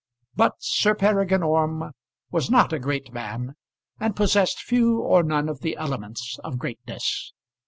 But Sir Peregrine Orme was not a great man, and possessed few or none of the elements of greatness.